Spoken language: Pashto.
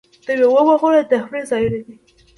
د میوو باغونه د تفریح ځایونه دي.